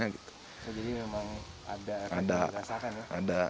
jadi memang ada